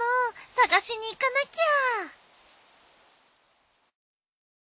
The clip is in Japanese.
探しにいかなきゃ！